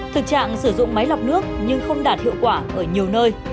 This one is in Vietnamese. thực trạng sử dụng máy lọc nước nhưng không đạt hiệu quả ở nhiều nơi